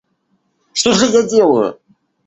Что же я делаю?